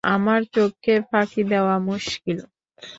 আমার চোখকে ফাঁকি দেওয়া মুশকিল।